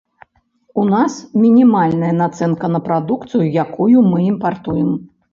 У нас мінімальная нацэнка на прадукцыю, якую мы імпартуем.